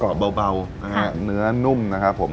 ก็หนังกรอบเบาเนื้อนุ่มนะครับผม